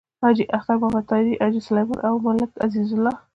حاجی اختر محمد طاهري، حاجی سلیمان او ملک عزیز الله…